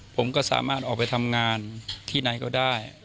ผมก็สามารถออกไปทำงานที่ไหนก็ได้